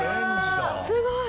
すごい！